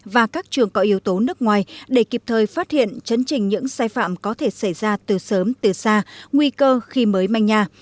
và các trường có yếu tố nước ngoài để kịp thời phát hiện chấn trình những sai phạm có thể xảy ra từ sớm từ xa nguy cơ khi mới manh nhà